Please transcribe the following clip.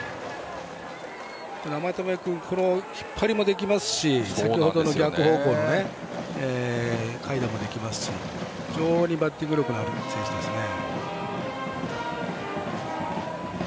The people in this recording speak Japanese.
生田目君、引っ張りもできますし先程の逆方向の快打もできますし非常にバッティング力のある選手ですね。